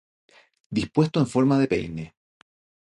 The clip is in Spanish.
Dispuesto en forma de peine.